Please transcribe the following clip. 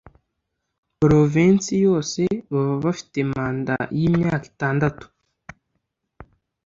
Porovensi yose baba Bafite manda y’imyaka itandatu.